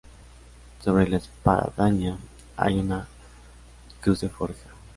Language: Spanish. Sobre la espadaña hay una cruz de forja.